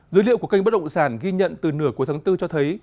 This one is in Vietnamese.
dữ liệu của kênh bất động sản ghi nhận từ nửa cuối tháng bốn cho thấy